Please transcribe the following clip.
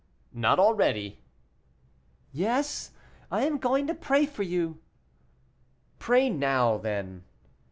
"Not already." "Yes, I am going to pray for you." "Pray now, then."